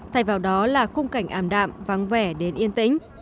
thay vào đó là khung cảnh àm đạm vắng vẻ đến yên tĩnh